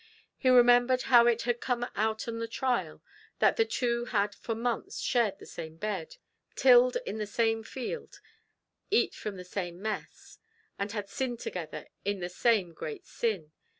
He remembered how it had come out on the trial, that the two had for months shared the same bed tilled in the same field eat from the same mess and had sinned together in the same great sin.